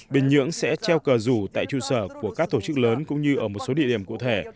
bình nhưỡng sẽ treo cờ rủ tại trụ sở của các tổ chức lớn cũng như ở một số địa điểm cụ thể